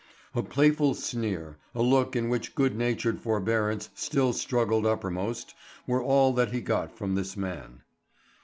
A playful sneer, a look in which good natured forbearance still struggled uppermost, were all that he got from this man.